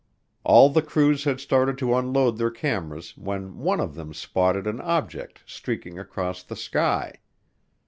All the crews had started to unload their cameras when one of them spotted an object streaking across the sky.